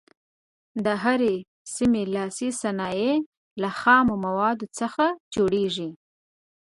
د هرې سیمې لاسي صنایع له خامو موادو څخه جوړیږي.